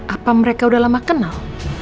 apa mereka udah lama kenal